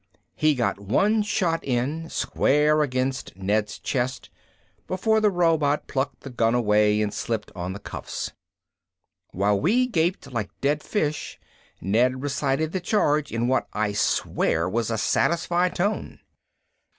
He got one shot in, square against Ned's chest, before the robot plucked the gun away and slipped on the cuffs. While we all gaped like dead fish, Ned recited the charge in what I swear was a satisfied tone.